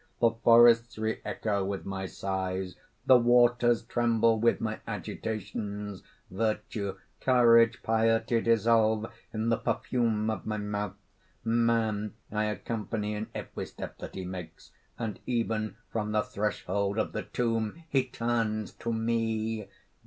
The forests re echo with my sighs; the waters tremble with my agitations. Virtue, courage, piety, dissolve in the perfume of my mouth. Man I accompany in every step that he makes; and even from the threshold of the tomb he turns to me!"